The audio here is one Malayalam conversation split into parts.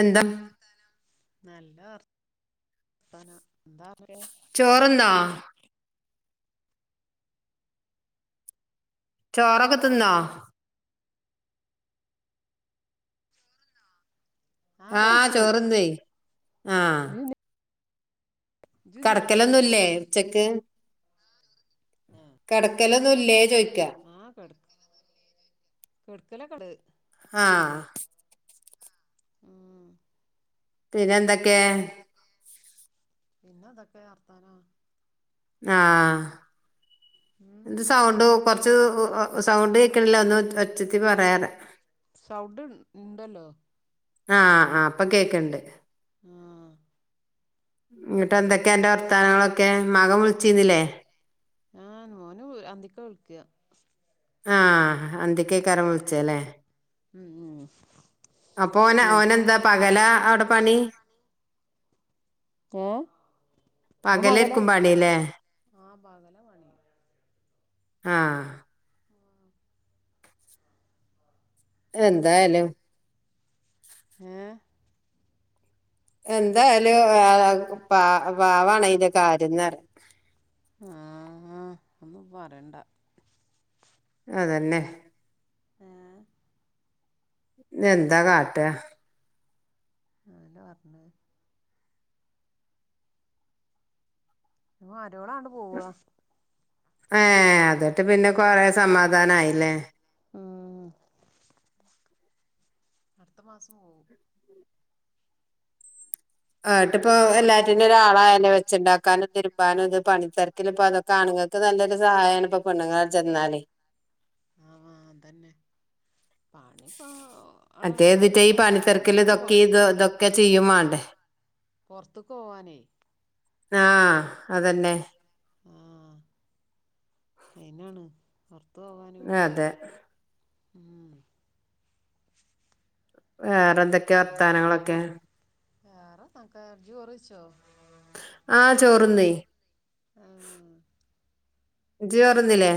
എന്താ [unintelligible] ചോറ്ന്നോ ചോറൊക്കെ തിന്നോ ആ ആഹ ചോറുന്നെ ഇജ്ജിന്നില്ലേ കടക്കലൊന്നുല്ലേ ഉച്ചക്ക്, കടക്കലൊന്നുല്ലേ ചോയ് ആ കെട്ക്കലകൊണ്ട് ആ ഉം പിന്നെ എന്തൊക്കെ പിന്നെ എന്തൊക്കെ വർത്താനം. ആഹ ഉം എന്ത് സൗണ്ട് കൊറച്ച് സൗണ്ട് കേക്കണില്ലാ ഒന്ന് ഒച്ചത്തി പറയാറ സൗണ്ട് ഇണ്ടല്ലോ ആഹ ആ ഇപ്പൊ കേക്ക്ണ്ട് ആ ഇങ്ങട്ട് പിന്നെ എന്തൊക്കെയ അന്റെ വർത്താനങ്ങളൊക്കെ മകൻ വിളിച്ചിരുന്നിലെ ആഹ മോൻ അന്തിക്ക വിളിക്ക അന്തിക്ക്‌ അയ്കാരം വിളിച്ചല്ലേ ഉം ഉം അപ്പൊ ഓന് ഉം ഓനെന്താ പകല അവ് ടെ പണി ഓ പകല പകലേരിക്കും പണില്ലേ ആ പകല പണി ആഹ എന്തായാലും ഏ എന്തായാലും പ പാവാണ് അയിന്റെ കര്യം എന്ന് പറി ആഹ ഒന്നും പറണ്ട. അതന്നെ ഏ എന്താ കാട്ടാ ആരാ പറഞ്ഞ് മരോള് ആണ്ട് പോവാ ഏ അതറ്റ്പിന്നെ കൊറെ സമാധാനയില്ലേ ആ അടുത്ത മാസം പോവും ആട്ടിപ്പൊ അരോൾ എല്ലാത്തിനും ഒരാൾ ആളയല്ലേ വെ ച്ച് ഉണ്ടാക്കാനും തിരുപ്പാനും ഇത് പണിത്തെരക്കില ഇപ്പൊ അതൊക്കെ ആണുങ്ങൾക്ക് നല്ലൊരു സഹായമാണ് ഇപ്പൊ പെണ്ണുങ്ങൾ ചെന്നാല് ആ തന്നെ അതെതിട്ട ഈ ഉണ്ടാക്കാനന്നല്ലേ പണിത്തെരക്കൽ ഓൽക്ക് പോ ഇതൊക്കെ ഇത് ഇതൊക്കെ ചെയ്യും വേണ്ടേ പുറത്ത് ക്ക് പോവാൻ ആ അതെന്നെ ആ അയിനാണ് പുറ അതെ മ് വേറെ എന്തൊക്കെയ വർത്താനങ്ങളൊക്കെ വേറെഎന്താ ക്കെ ഇജ് ചോറ് വയിച്ചോ ആ ചോറ് ന്നു ആ ഇജ്ജ് ഉം ചോറ്ന്നില്ലേ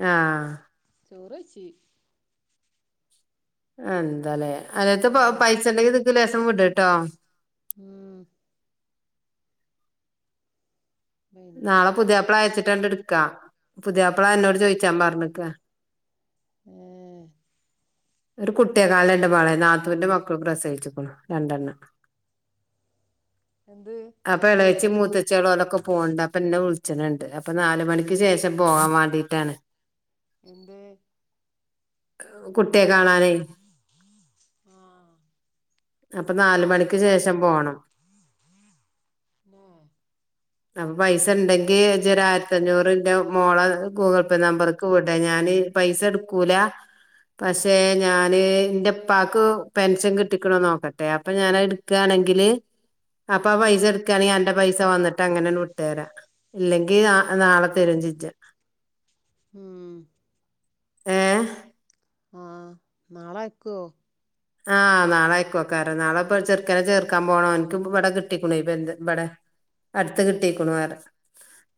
ആ ചോറ് വെയിച്ച് എന്താലേ അന്റത്ത് ഉം പൈസ ഉണ്ടെങ്കിൽ ഇതിക്ക് ലോസം വിട്ട്ടോ ഉം പിന്നെ നാളെ പുതിയപ്പള അയച്ചിട്ടണ്ട് എടുക്കാ പുതിയപ്പിള അന്നോട് ചോയിച്ചാൻ പറഞ്ഞിക്കാ ഏ ഒരു കുട്ടിയെക്കാണൽ ഉണ്ട് മാളെ നാത്തുവിൻന്റെ മക്കൾ പ്രസവിച്ച്ക്ക്ണ് രണ്ടെണ്ണം എന്ത് ഇളച്ചിമൂത്തച്ചീയോള് ഒലൊക്കെ പോകണ്ട് അപ്പൊ എന്നെ വിളിച്ചിണുഉണ്ട് അപ്പൊ നാല് മണിക്ക് ശേഷം പോകാൻ വേണ്ടിട്ടാണ് എന്ത് കുട്ടിയെ കാണാനേ ആ അപ്പൊ നാല്മണിക്ക് ശേഷം പോണം ന്നെ അപ്പൊ പൈസ ഉണ്ടെങ്കി ൽ ഇജ്ഒരു ആയിരത്തി അഞ്ഞൂറിന്റെ മോള ഗൂഗിൾ പേ ആഹ് നമ്പർക്ക് വിടെഞാൻ പൈസ എടുക്കൂല പക്ഷെ ഞാന് ഇന്റെപ്പാക്ക് പെൻഷൻ കിട്ടിക്കണോ നോക്കട്ടെ അപ്പൊ ഞാൻ എടുക്കുകയാണെങ്കിൽ [unintelligible] അപ്പൊ ആ പൈസ എടുക്കുകയാണെങ്കി അന്റെ പൈസ വന്നിട്ട് അങ്ങനെ വിട്ടുതരാം ഇല്ലെങ്കി നാളെ തരും ജിജ ഉം ഏ ആ നാളെ അയക്കുവോ ആഹ് നാളെ അയക്കു ഏക്കാരംനാളെപ്പോ ചെറ്ക്കനെ ചേർക്കാൻ പോണോ ഓൻക്ക് ഇപ്പോ ഇബടെ കിട്ടിക്കുണേ പെരിഇബടെ അടുത്ത് കിട്ടിക്ക്ണു വേറെ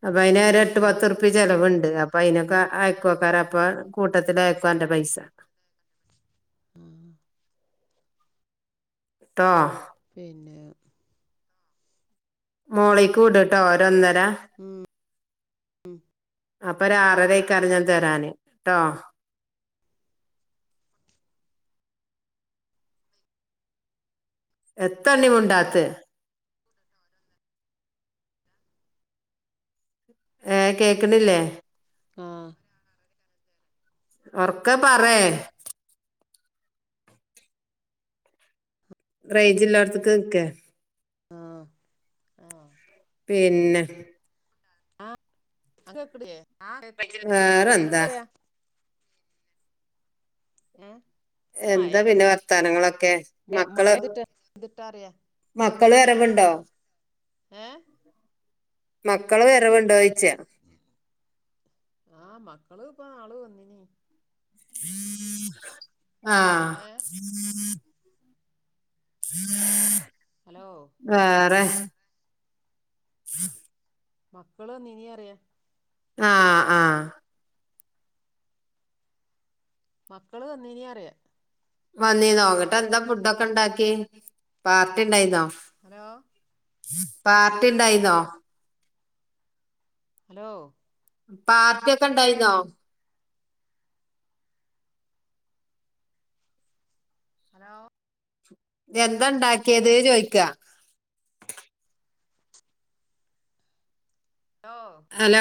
അപ്പൊ അതിനെ ഏഹ് ഒരു എട്ട് പത്ത് റുപ്പ്യ ചെലവുണ്ട് അപ്പൊ അയിതിനൊക്കെ അയക്കുവക്കാര അപ്പ കൂട്ടത്തി അയക്കുവന്റെ പൈസ ആ ട്ടോ പിന്നെ മോളിക്ക് വിട് ആട്ടോ ഒരന്നൊ ഉം ഉം അപ്പൊ ഒരു ആറരക്കാരം തരാാന് ട്ടോ എത്തണ്ണി മുണ്ടാത്തെ ഏ കേക്കണില്ലേ ആ ഒറക്കെ പറ റേഞ്ച് ഇല്ലാടത്തക്ക് നിക്കേ ആഹ് ആഹ് പിന്നെ ആഹ അട വേറെന്താ കേട്ടണ്ട്യാ ഏ എന്താ പിന്നെ വർത്താനങ്ങളൊക്കെ മക്കള് മഴെയ്തിട്ട് യ്തിട്ടറിയാ മക്കള് വരവുണ്ടോ ഹഏ മക്കള് വെറെവണ്ടോിച്ചാ അളവപ്പ അളു വന്നീിന ഏഹ് ആഹ ഹലോ വേറെ ഉം [unintelligible] മക്കള് നീന അറിയ ആഹ ആഹ മക്കള് തന്നിന അറിയ നന്നീന്നോ അങ്ങിട്ട് എന്താ ഫുഡ ഒക്കെ ഉണ്ടാക്കി പാർട്ടി ഉണ്ടായിന്നോ ഹലോ പാർട്ടി ഉണ്ടായിന്നോ ഹലോ പാർട്ടിൊക്കെ ഇണ്ടായിുന്നോ ഹലോ എന്താ ഉണ്ടാക്കിയത് ചോയ്ിക്കാ അല്ല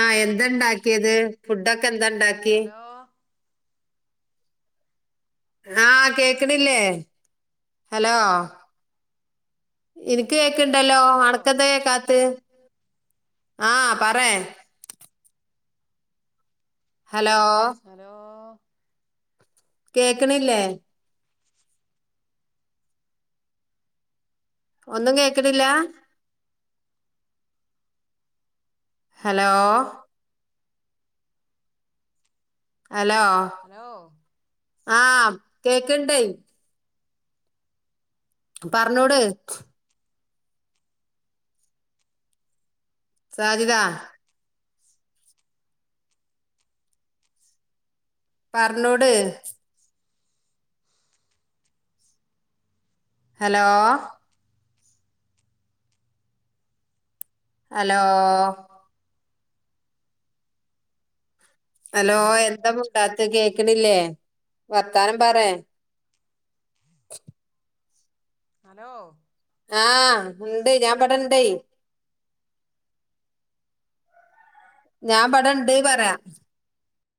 ആഹ എന്താണ്ടാക്കിയത് ഫുഡൊക്കെ എന്താ ഇണ്ടാക്കി ഹലോ ആഹ് കേക്കണില്ലേ ഹലോ എനിക്ക് കത്തിയ ഒക്ക ഉണ്ടല്ലോ ഹലോ ഹലോ അടക്കന്ത കാത്ത് ആഹ പറ ഹലോ ഹലോ കേക്കണില്ലേ ഒന്നും കേക്കടില്ല ഹലോ ഹലോ ഹലോ ആഹ കേക്കണ്ടേ പറഞ്ഞോട് സാജിദാ പറഞ്ഞോട് ഹലോ ഹലോ ഹലോ എന്താ പണ്ടാത്ത കേക്കണില്ലേ വർത്താനം പറ ഉ ഹലോ ആഹ ഉണ്ട് ഞാൻ പടെ ഇണ്ടേ ഞാൻ ഇടെ ഇണ്ട് പറ